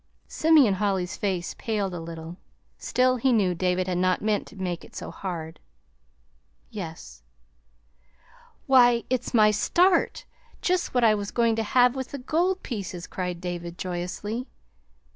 Simeon Holly's face paled a little; still, he knew David had not meant to make it so hard. "Yes." "Why, it's my 'start' just what I was going to have with the gold pieces," cried David joyously.